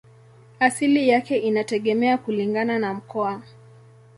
Asili yake inategemea kulingana na mkoa.